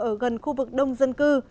ở gần khu vực đông dân cư